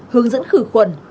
hướng dẫn khử khuẩn